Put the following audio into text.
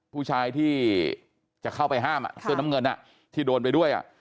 ผู้ชายที่จะเข้าไปห้ามเสื้อน้ำเงินที่โดนไปด้วย